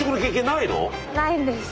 ないんです。